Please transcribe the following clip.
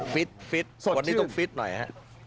ฟิตฟิตวันนี้ต้องฟิตหน่อยฮะ